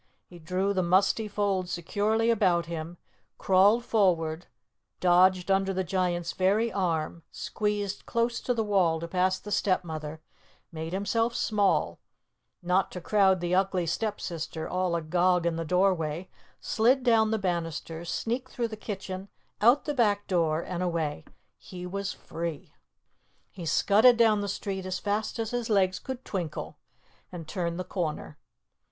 He drew the musty folds securely about him, crawled forward, dodged under the Giant's very arm, squeezed close to the wall to pass the Stepmother, made himself small, not to crowd the Ugly Stepsister, all agog in the doorway, slid down the banisters, sneaked through the kitchen, out the back door, and away. He was free! He scudded down the street as fast as his legs could twinkle, and turned the corner.